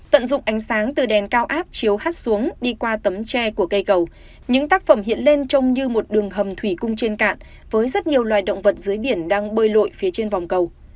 tận dụng ánh sáng từ đèn cao áp chiếu hát xuống đi qua tấm tre của cây cầu những tác phẩm hiện lên trông như một đường hầm thủy cung trên cạn với rất nhiều loài động vật dưới biển đang bơi lội phía trên vòng cầu